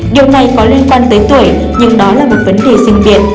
điều này có liên quan tới tuổi nhưng đó là một vấn đề sinh viên